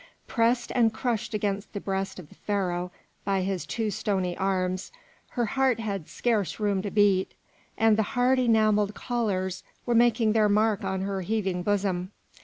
Pressed and crushed against the breast of the Pharaoh, by his two stony arms, her heart had scarce room to beat, and the hard enamelled collars were making their mark on her heaving bosom.